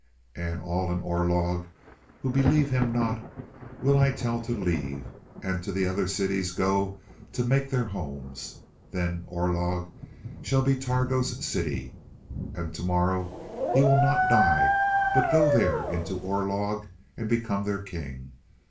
And all in Orlog who believe him not, will I tell to leave, and to the other cities go to make their homes. Then Orlog shall be Targo's city. And to morrow he will not die, but go there into Orlog and become their king.